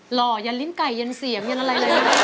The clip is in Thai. หล่อยันริ้มไก่เย็นเสียมีอะไร